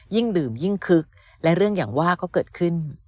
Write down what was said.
ดื่มยิ่งคึกและเรื่องอย่างว่าก็เกิดขึ้น